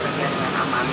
terima kasih fats kawan